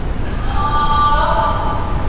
موږ شکلونه بيا ښه زده کوو.